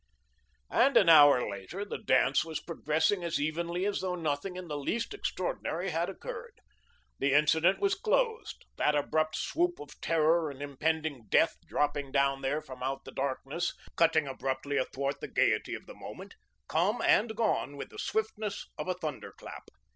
And an hour later the dance was progressing as evenly as though nothing in the least extraordinary had occurred. The incident was closed that abrupt swoop of terror and impending death dropping down there from out the darkness, cutting abruptly athwart the gayety of the moment, come and gone with the swiftness of a thunderclap.